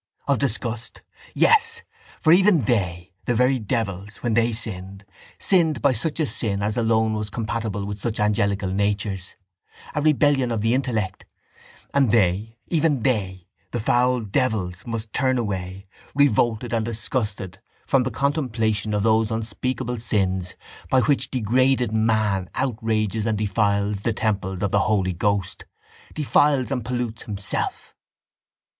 Of disgust, yes! For even they, the very devils, when they sinned, sinned by such a sin as alone was compatible with such angelical natures, a rebellion of the intellect: and they, even they, the foul devils must turn away, revolted and disgusted, from the contemplation of those unspeakable sins by which degraded man outrages and defiles the temple of the Holy Ghost, defiles and pollutes himself.